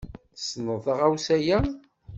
Tessneḍ taɣawsa-ya?